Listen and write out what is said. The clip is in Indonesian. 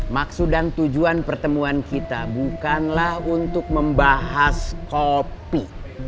maksud dan tujuan pertemuan kita bukanlah untuk membahas kopi